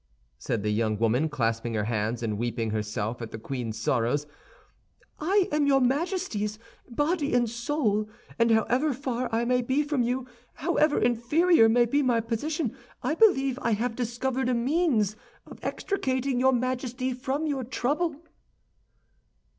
said the young woman, clasping her hands and weeping herself at the queen's sorrows; "I am your Majesty's, body and soul, and however far I may be from you, however inferior may be my position, I believe I have discovered a means of extricating your Majesty from your trouble."